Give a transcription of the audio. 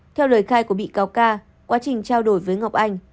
theo lời khai của bị cáo ca quá trình trao đổi với ngọc anh